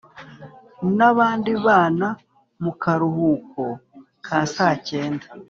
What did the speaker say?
nabandi bana mukaruhuko ka sacyenda.